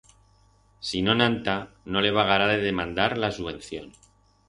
Si no nanta, no le vagará de demandar la subvención.